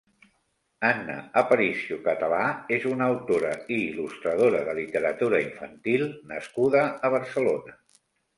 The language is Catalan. Anna Aparicio Català és una autora i il·lustradora de literatura infantil nascuda a Barcelona.